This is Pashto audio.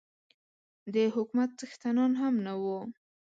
د حکومت څښتنان هم نه وو.